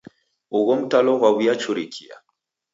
Ugho mtalo ghwaw'uyachurikia.